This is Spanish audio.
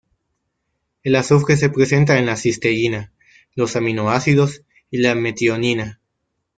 El azufre se presenta en la cisteína, los aminoácidos y la metionina.